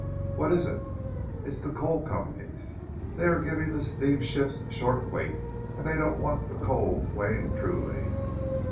"What is it?" "It's the coal companies! They're giving the steamships short weight, and they don't want the coal weighed truly!"